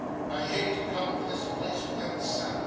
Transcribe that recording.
I hate to come to this place without Sally.